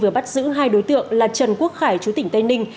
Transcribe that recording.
vừa bắt giữ hai đối tượng là trần quốc khải chú tỉnh tây ninh